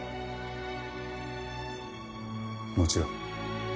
もちろん。